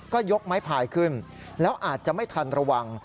ก็ยกไม้พายขึ้นแล้วอาจจะไม่ทันระวัง